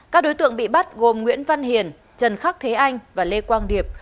các đối tượng bị bắt gồm nguyễn văn hiền trần khắc thế anh và lê quang điệp